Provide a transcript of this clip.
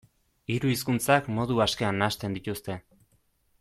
Hiru hizkuntzak modu askean nahasten dituzte.